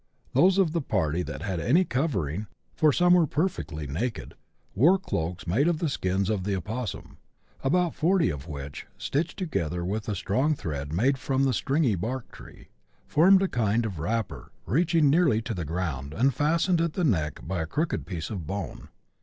Those of the party that had any covering (for some were perfectly naked) wore cloaks made of the skins of the opossum, about forty of which, stitched together with a strong thread made from the " stringy bark " tree, formed a kind of wrapper reaching nearly to the ground, and fastened at the neck by a crooked piece of bone.